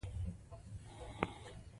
لیکوال پر موږ باور لري.